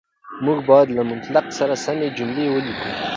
موږ بايد له منطق سره سمې جملې وليکو.